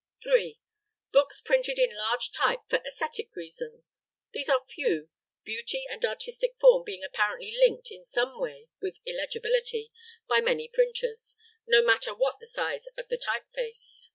3. Books printed in large type for aesthetic reasons. These are few, beauty and artistic form being apparently linked in some way with illegibility by many printers, no matter what the size of the type face.